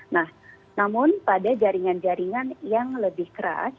nah namun pada jaringan jaringan yang lebih keras